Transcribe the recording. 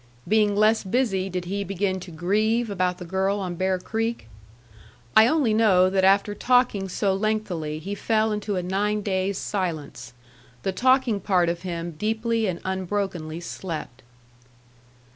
Being less busy, did he begin to "grieve" about the girl on Bear Creek? I only know that after talking so lengthily he fell into a nine days' silence. The talking part of him deeply and unbrokenly slept.